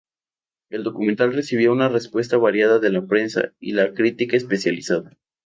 El documental recibió una respuesta variada de la prensa y la crítica especializada.